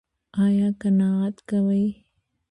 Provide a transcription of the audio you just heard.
ایا قناعت کوئ؟